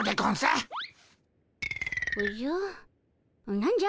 何じゃ？